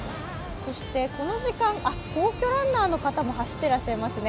そして皇居ランナーの方も走ってらっしゃいますね。